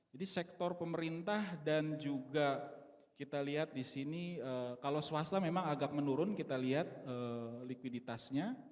jadi sektor pemerintah dan juga kita lihat di sini kalau swasta memang agak menurun kita lihat likuiditasnya